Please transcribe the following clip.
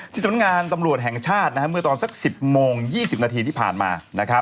สำนักงานตำรวจแห่งชาติเมื่อตอนสัก๑๐โมง๒๐นาทีที่ผ่านมา